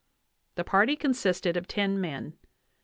The party consisted of ten men.